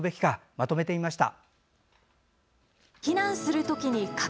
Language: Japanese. まとめてみました。